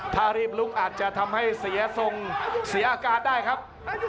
ถ้ารีบลุกอาจจะทำให้เสียทรงเสียอาการได้ครับ